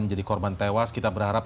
menjadi korban tewas kita berharap